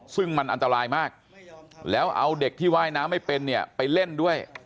ซึ่งมันอันตรายมากแล้วเอาเด็กที่ว่ายน้ำไม่เป็นเนี่ยไปเล่นด้วย